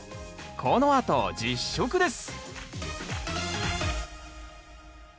このあと実食です